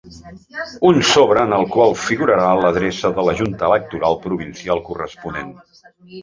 Un sobre en el qual figurarà l’adreça de la junta electoral provincial corresponent.